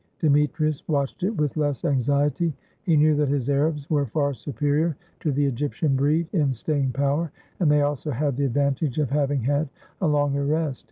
Demetrius watched it with less anx iety ; he knew that his Arabs were far superior to the Egyptian breed in staying power, and they also had the advantage of having had a longer rest.